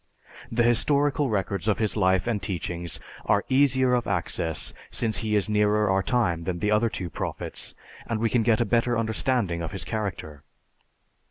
The historical records of his life and teachings are easier of access since he is nearer our time than the other two prophets, and we can get a better understanding of his character.